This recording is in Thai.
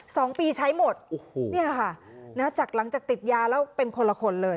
สองปีใช้หมดโอ้โหเนี่ยค่ะนะจากหลังจากติดยาแล้วเป็นคนละคนเลย